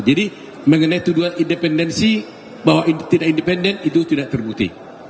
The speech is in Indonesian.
jadi mengenai tuduhan independensi bahwa tidak independen itu tidak terbukti